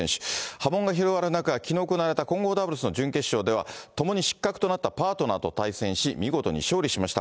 波紋が広がる中、きのう行われた混合ダブルスの準決勝では、共に失格となったパートナーと対戦し、見事に勝利しました。